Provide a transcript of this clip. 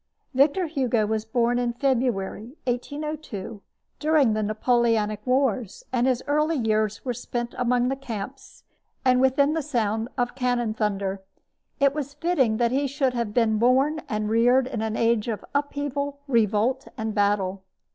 Victor Hugo was born in February, 1802, during the Napoleonic wars, and his early years were spent among the camps and within the sound of the cannon thunder. It was fitting that he should have been born and reared in an age of upheaval, revolt, and battle.